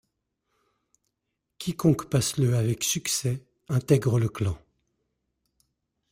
Quiconque passe le avec succès intègre le clan.